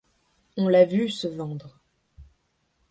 On l’a vu se vendre.